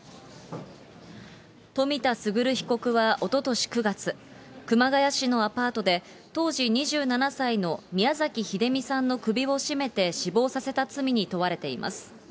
冨田賢被告はおととし９月、熊谷市のアパートで、当時２７歳の宮崎英美さんの首を絞めて死亡させた罪に問われています。